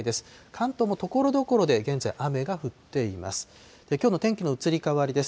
関東もところどころで現在、雨が降っています。